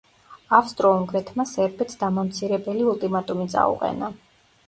ავსტრო–უნგრეთმა სერბეთს დამამცირებელი ულტიმატუმი წაუყენა.